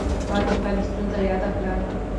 هغه د کلي ستونزه یاده کړه.